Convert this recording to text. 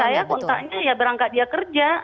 sama suami kontaknya ya berangkat dia kerja